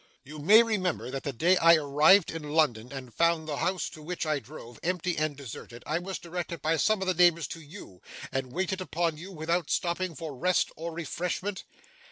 'You may remember that the day I arrived in London, and found the house to which I drove, empty and deserted, I was directed by some of the neighbours to you, and waited upon you without stopping for rest or refreshment?